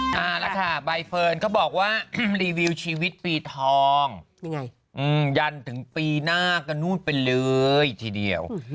เอาละค่ะใบเฟิร์นเขาบอกว่ารีวิวชีวิตปีทองยันถึงปีหน้าก็นู่นไปเลยทีเดียว